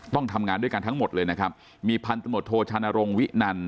ต้องทำงานด้วยกันทั้งหมดเลยนะครับมีพันธมตโทชานรงวินัน